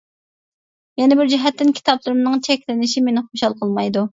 يەنە بىر جەھەتتىن، كىتابلىرىمنىڭ چەكلىنىشى مېنى خۇشال قىلمايدۇ.